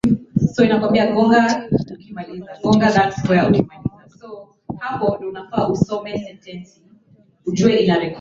wakati akitangaza bajeti ya serikali kwa mwaka wa fedha